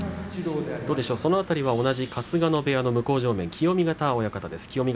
その辺りは同じ春日野部屋の向正面清見潟親方です。